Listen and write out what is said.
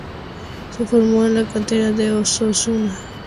Se formó en la cantera de Osasuna.